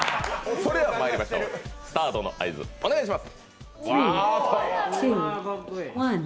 それでは、まいりましょうスタートの合図お願いします。